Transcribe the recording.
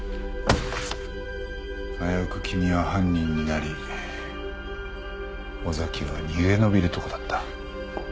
危うく君は犯人になり尾崎は逃げ延びるとこだった。